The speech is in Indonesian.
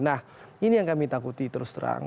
nah ini yang kami takuti terus terang